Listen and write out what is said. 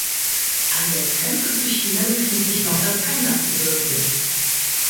An der Grenze zu China befindet sich noch das Kangnam-Gebirge.